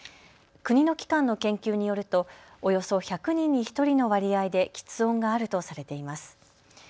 国の機関の研究によるとおよそ１００人に１人の割合できつ音があるとされています。